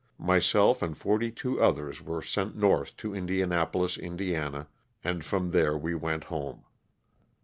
Myself and forty two others were sent north to Indianapolis, Ind., and from there we went home.